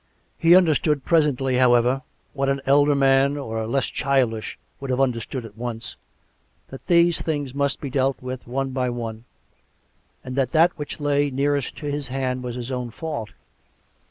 He understood presently, however, what an elder man, or a less childish, would have understood at once — that these things must be dealt with one by one, and that that which lay nearest to his hand was his own fault.